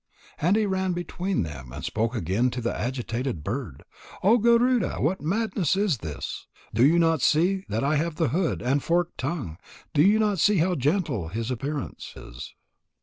And he ran between them and spoke again to the agitated bird: "O Garuda, what madness is this? Do you not see that I have the hood and the forked tongue? Do you not see how gentle his appearance is?"